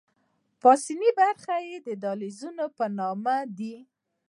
پاسنۍ برخې یې د دهلیزونو په نامه دي.